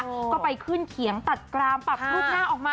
แล้วก็ไปขึ้นเขียงตัดกรามปรับรูปหน้าออกมา